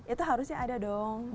itu harusnya ada dong